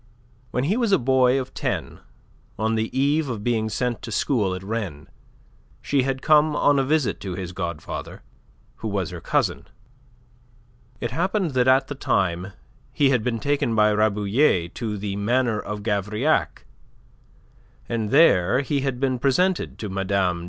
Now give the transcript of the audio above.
When he was a boy of ten, on the eve of being sent to school at Rennes, she had come on a visit to his godfather, who was her cousin. It happened that at the time he was taken by Rabouillet to the Manor of Gavrillac, and there he had been presented to Mme.